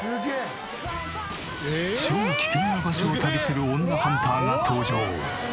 超危険な場所を旅する女ハンターが登場。